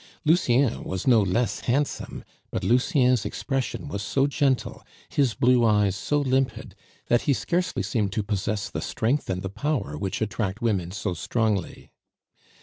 Lucien was no less handsome; but Lucien's expression was so gentle, his blue eyes so limpid, that he scarcely seemed to possess the strength and the power which attract women so strongly.